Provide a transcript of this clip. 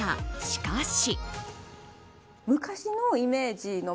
しかし。